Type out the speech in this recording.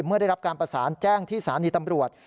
เมื่อได้รับการประสานแจ้งที่สถานีตำรวจ